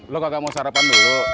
lo kagak mau sarapan dulu